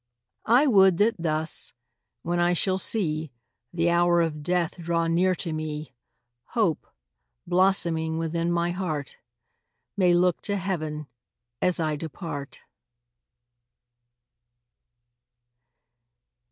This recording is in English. I would that thus, when I shall see The hour of death draw near to me, Hope, blossoming within my heart, May look to heaven as I depart.